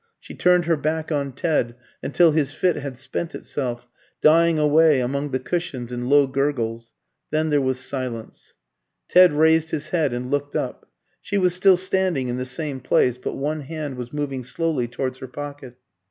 She turned her back on Ted, until his fit had spent itself, dying away among the cushions in low gurgles. Then there was silence. Ted raised his head and looked up. She was still standing in the same place, but one hand was moving slowly towards her pocket.